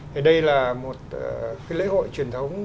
thì đây là một lễ hội truyền thống